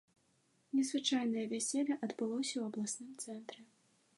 Незвычайнае вяселле адбылося у абласным цэнтры.